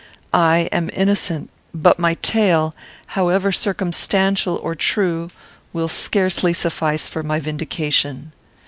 I am innocent; but my tale, however circumstantial or true, will scarcely suffice for my vindication.